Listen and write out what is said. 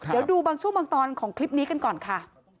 เดี๋ยวดูบางช่วงบางตอนของคลิปนี้กันก่อนค่ะ